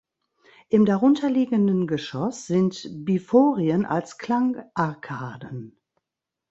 Im darunter liegenden Geschoss sind Biforien als Klangarkaden.